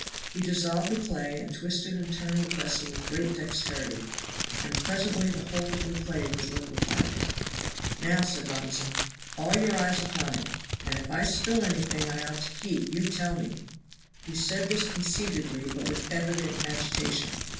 He dissolved the clay, and twisted and turned the vessel with great dexterity, and presently the whole of the clay was liquefied. "Now," said Robinson, "all your eyes upon it, and if I spill anything I ought to keep you tell me." He said this conceitedly but with evident agitation.